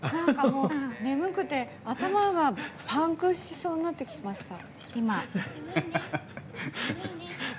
眠くて頭がパンクしそうになってきました。